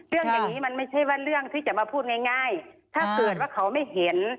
เรื่องอย่างนี้มันไม่ใช่ว่าเรื่องที่จะมาพูดง่ายถ้าเกิดว่าเขาไม่เห็น